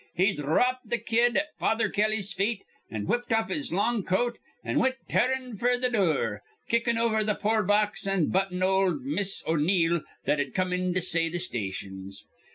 He dhropped th' kid at Father Kelly's feet, an' whipped off his long coat an' wint tearin' f'r th' dure, kickin' over th' poorbox an' buttin' ol' Mis' O'Neill that'd come in to say th' stations.